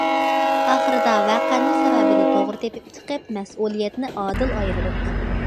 ئاخىرىدا ۋەقەنىڭ سەۋەبىنى توغرا تېپىپ چىقىپ، مەسئۇلىيەتنى ئادىل ئايرىدۇق.